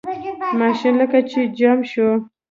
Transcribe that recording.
ماشین لکه چې جام شو.